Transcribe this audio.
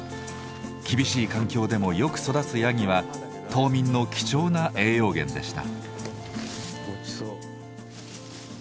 厳しい環境でもよく育つヤギは島民の貴重な栄養源でした。